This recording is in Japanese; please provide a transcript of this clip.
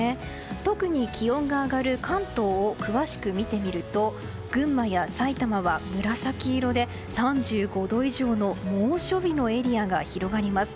特に気温が上がる関東を詳しく見てみると群馬や埼玉は紫色で３５度以上の猛暑日のエリアが広がります。